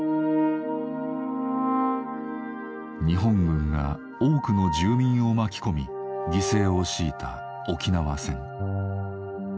日本軍が多くの住民を巻き込み犠牲を強いた沖縄戦。